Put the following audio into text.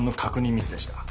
ミスでした。